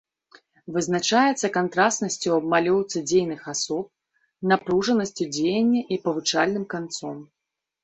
Вызначаецца кантрастнасцю ў абмалёўцы дзейных асоб, напружанасцю дзеяння і павучальным канцом.